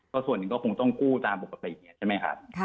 ก็ส่วนหนึ่งก็คงต้องกู้ตามบประปริเศษใช่ไหมครับ